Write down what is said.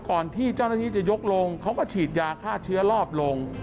ก่อนที่เจ้าหน้าที่จะยกลงเขาก็ฉีดยาฆ่าเชื้อรอบลง